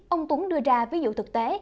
ông tuấn đưa ra ví dụ thực tế